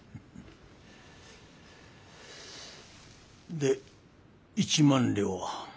で一万両は？